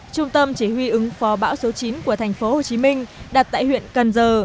trung tâm chỉ huy ứng phò bão số chín của thành phố hồ chí minh đặt tại huyện cần giờ